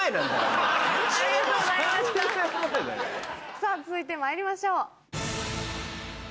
さぁ続いてまいりましょう。